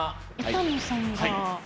板野さんが。